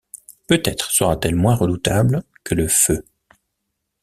Peut-être sera-t-elle moins redoutable que le feu!